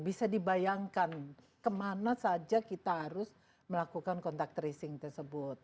bisa dibayangkan kemana saja kita harus melakukan kontak tracing tersebut